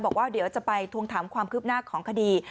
บอกว่าเดี๋ยวจะไปทวงถามความคืบหน้าของคดี